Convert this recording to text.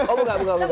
oh buka buka buka